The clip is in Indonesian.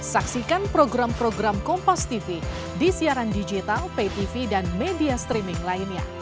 saksikan program program kompas tv di siaran digital pay tv dan media streaming lainnya